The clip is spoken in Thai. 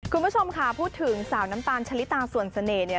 คุณผู้ชมค่ะพูดถึงสาวน้ำตาลชะลิตาส่วนเสน่ห์เนี่ย